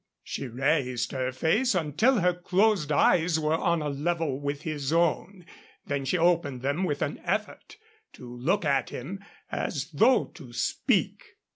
She raised her face until her closed eyes were on a level with his own. Then she opened them with an effort to look at him, as though to speak.